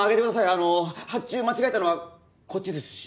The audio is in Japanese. あの発注間違えたのはこっちですし。